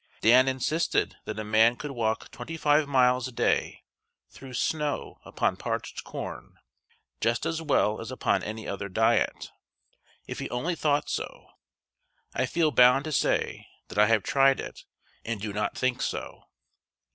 Dan insisted that a man could walk twenty five miles a day through snow upon parched corn just as well as upon any other diet if he only thought so. I feel bound to say that I have tried it and do not think so.